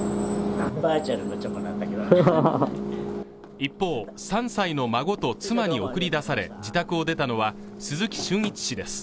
一方３歳の孫と妻に送り出され自宅を出たのは鈴木俊一氏です